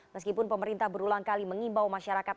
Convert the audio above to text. meskipun pemerintah berulang kali mengimbau masyarakat